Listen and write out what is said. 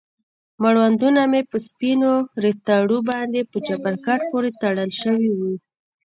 مړوندونه مې په سپينو ريتاړو باندې په چپرکټ پورې تړل سوي وو.